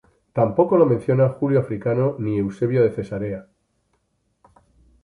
Tampoco lo menciona Julio Africano ni Eusebio de Cesarea.